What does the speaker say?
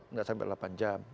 nggak sampai delapan jam